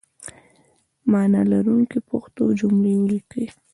معنی لرونکي پښتو جملې ولیکئ!